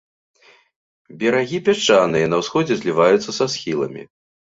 Берагі пясчаныя, на ўсходзе зліваюцца са схіламі.